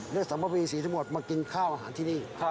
เรียกสำหรับประเภทนี้ทิศกระจาห์มากินข้าวอาหารที่นี่